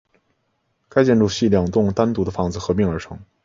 该建筑系两栋单独的房子合并而成。